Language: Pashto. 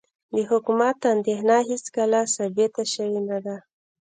د حکومت اندېښنه هېڅکله ثابته شوې نه ده.